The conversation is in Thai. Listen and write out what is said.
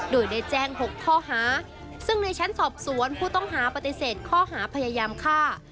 โดยได้แจ้ง๖ข้อหาซึ่งในชั้นสอบสวนผู้ต้องหาปฏิเสธข้อหาพยายามฆ่า